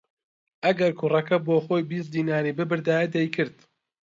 ئەگەر کوڕەکە بۆ خۆی بیست دیناری بۆ ببردایە دەیکرد